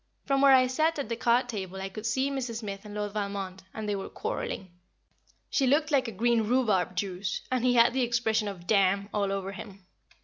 From where I sat at the card table I could see Mrs. Smith and Lord Valmond, and they were quarrelling. She looked like green rhubarb juice, and he had the expression of "Damn!" all over him.